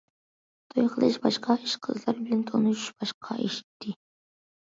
توي قىلىش باشقا ئىش، قىزلار بىلەن تونۇشۇش باشقا ئىش ئىدى.